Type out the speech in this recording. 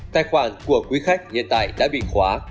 tài khoản của quý khách hiện tại đã bị khóa